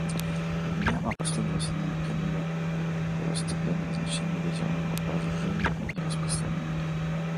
Мьянма последовательно придает первостепенное значение ядерному разоружению и нераспространению.